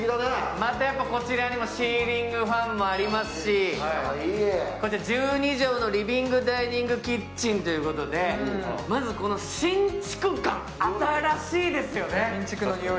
またこちらにもシーリングファンもありますし、１２畳のリビングダイニングキッチンということでまずこの新築感！